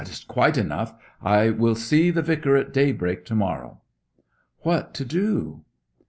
'It is quite enough. I will see the Vicar at daybreak to morrow.' 'What to do?'